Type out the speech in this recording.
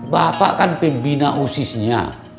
bapak kan pembina usisnya